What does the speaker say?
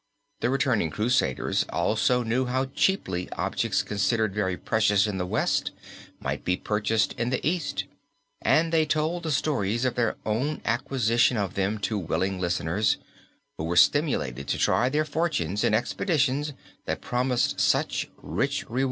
The returning crusaders also knew how cheaply objects considered very precious in the West might be purchased in the East, and they told the stories of their own acquisition of them to willing listeners, who were stimulated to try their fortunes in expeditions that promised such rich rewards.